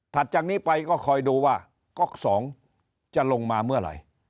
จากนี้ไปก็คอยดูว่าก๊อก๒จะลงมาเมื่อไหร่